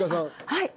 はい。